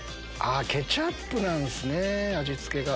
ケチャップなんすね味付けが。